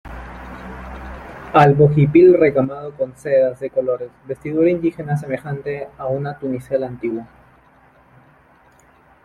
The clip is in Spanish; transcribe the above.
albo hipil recamado con sedas de colores, vestidura indígena semejante a una tunicela antigua